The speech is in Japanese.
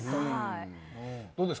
どうですか？